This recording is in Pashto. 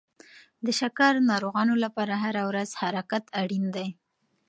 د شکر ناروغانو لپاره هره ورځ حرکت اړین دی.